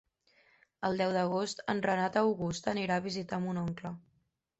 El deu d'agost en Renat August anirà a visitar mon oncle.